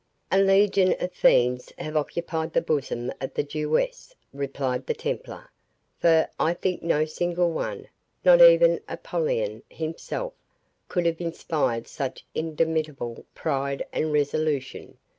"A legion of fiends have occupied the bosom of the Jewess," replied the Templar; "for, I think no single one, not even Apollyon himself, could have inspired such indomitable pride and resolution.